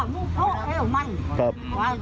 ครับ